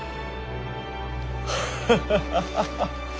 ハハハハハ。